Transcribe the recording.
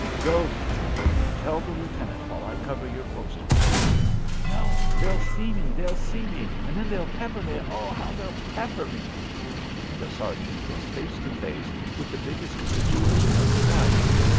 "Go," he said, "and tell the lieutenant while I cover your post for you." "No! They'd see me! They'd see me! And then they'd pepper me! O, how they'd pepper me!" The sergeant was face to face with the biggest situation of his life.